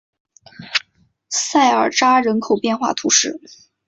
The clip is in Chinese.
萨尔扎人口变化图示